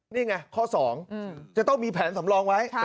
นี่ไงข้อ๒จะต้องมีแผนสำรองไว้